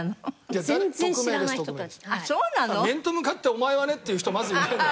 面と向かって「お前はね」って言う人まずいないので。